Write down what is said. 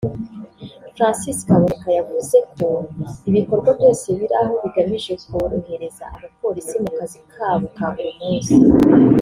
Francis Kaboneka yavuze ko ibikorwa byose biri aho bigamije korohereza abapolisi mu kazi kabo ka buri munsi